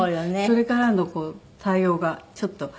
それからの対応がちょっと。